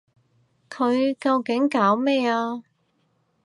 佢究竟搞咩啊？